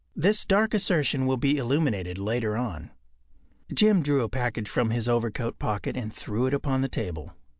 This dark assertion will be illuminated later on. Jim drew a package from his overcoat pocket and threw it upon the table.